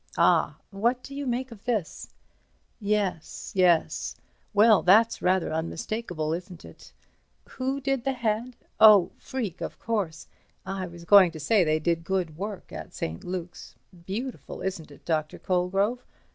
Ah! what do you make of this? Yes—yes—well, that's rather unmistakable, isn't it? Who did the head? Oh, Freke—of course. I was going to say they did good work at St. Luke's. Beautiful, isn't it, Dr. Colegrove?